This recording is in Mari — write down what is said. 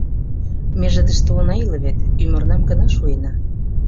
— Меже тыште она иле вет, ӱмырнам гына шуена.